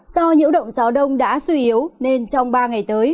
do nhiễu động gió đông đã suy yếu nên trong ba ngày tới